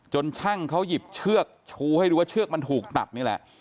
ช่างเขาหยิบเชือกชูให้ดูว่าเชือกมันถูกตัดนี่แหละ